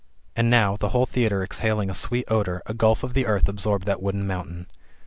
And now, the whole theatre exhaling a sweet odour, a gulf of the earth absorbed that wooden moun tain.